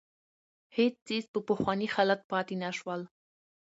هېڅ څېز په پخواني حالت پاتې نه شول.